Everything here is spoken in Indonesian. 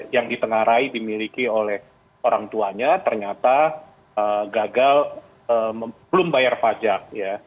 yang ditengarai dimiliki oleh orang tuanya ternyata gagal belum bayar pajak